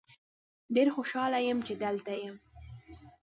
ډیر خوشحال یم چې دلته یم.